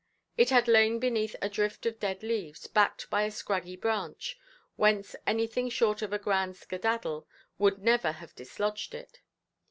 It had lain beneath a drift of dead leaves backed by a scraggy branch, whence anything short of a grand "skedaddle" would never have dislodged it.